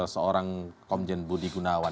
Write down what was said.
seorang komjen budi gunawan